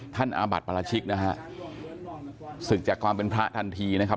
อาบัติปราชิกนะฮะศึกจากความเป็นพระทันทีนะครับ